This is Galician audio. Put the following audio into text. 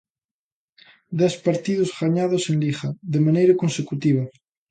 Dez partidos gañados en Liga de maneira consecutiva.